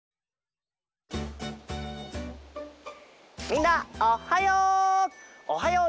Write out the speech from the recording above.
みんなおっはよう！